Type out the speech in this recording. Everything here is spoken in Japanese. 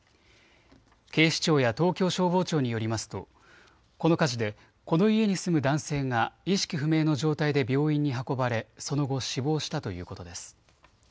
警視庁や東京消防庁によりますとこの火事でこの家に住む男性が意識不明の状態で病院に運ばれその後、死亡したということです。